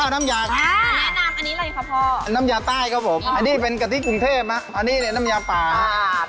อันนี้ก็เป็นแกงไต้ปลาครับผม